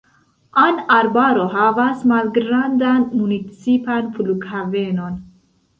An-Arbaro havas malgrandan, municipan flughavenon.